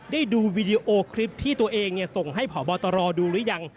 ดูวีดีโอคลิปที่ตัวเองส่งให้ผอบตรดูหรือยัง